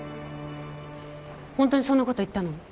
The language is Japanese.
ほんとにそんなこと言ったの？